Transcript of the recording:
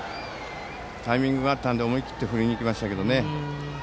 タイミングが合ったので思い切って振りに行きましたね。